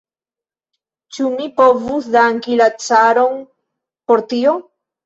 Ĉu mi povus danki la caron por tio?